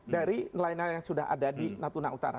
dari nelayan nelayan yang sudah ada di natuna utara